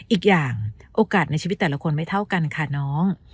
อีกอย่างโอกาสในชีวิตแต่ละคนไม่เท่ากันค่ะน้อง